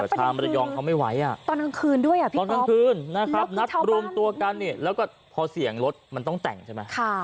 ตอนกลางคืนนะครับนัดรวมตัวกันเนี่ยแล้วก็พอเสี่ยงรถมันต้องแต่งใช่ไหม